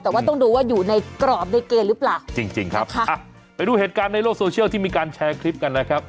แต่ว่าต้องดูว่าอยู่ในกรอบในเกณฑ์หรือเปล่าจริงจริงครับค่ะอ่ะไปดูเหตุการณ์ในโลกโซเชียลที่มีการแชร์คลิปกันนะครับ